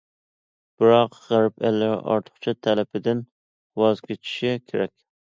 بىراق غەرب ئەللىرى ئارتۇقچە تەلىپىدىن ۋاز كېچىشى كېرەك.